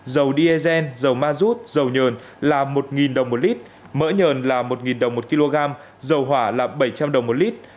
dầu diesel dầu ma rút dầu nhờn là một đồng một lít mỡ nhờn là một đồng một kg dầu hỏa là bảy trăm linh đồng một lít